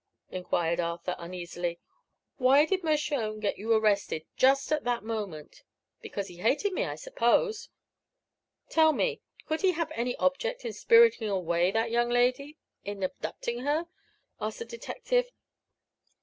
enquired Arthur, uneasily. "Why did Mershone get you arrested, just at that moment?" "Because he hated me, I suppose." "Tell me, could he have any object in spiriting away that young lady in abducting her?" asked the detective.